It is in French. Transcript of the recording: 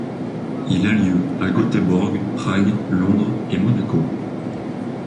Il a lieu à Göteborg, Prague, Londres et Monaco.